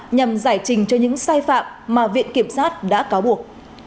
nhằm giải trình cho những sai phạm mà viện kiểm sát đã cáo buộc